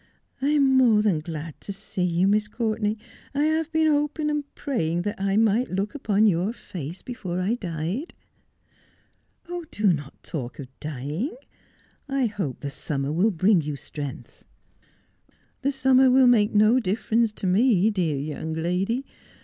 I am more than glad to see you, Miss Courtenay. I have been hoping and praying that I might look upon your face before I died.' ' Do not talk of dying. I hope the summer will bring you strength.' ' The summer will make no difference to me, dear young lady.